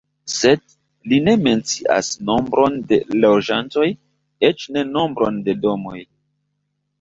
Sed li ne mencias nombron de loĝantoj, eĉ ne nombron de domoj.